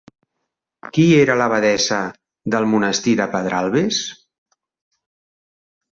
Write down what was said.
Qui era l'abadessa del monestir de Pedralbes?